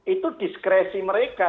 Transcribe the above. itu diskresi mereka